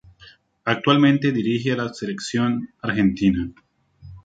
Actualmente dirige a la selección argentina.